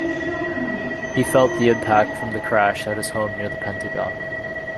He felt the impact from the crash at his home near the Pentagon.